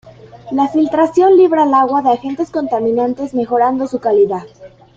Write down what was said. La filtración libra al agua de agentes contaminantes mejorando su calidad.